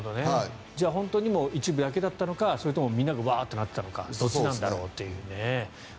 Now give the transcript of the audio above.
本当に一部だけだったのかそれともみんながワーッとなっていたのかどっちなのか。